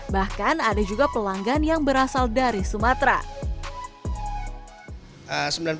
bahkan ada juga pelanggan yang berasal dari sumatera